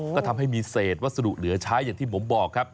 ก็ทำให้มีเศษวัสดุเหลือใช้อย่างที่ผมบอกครับ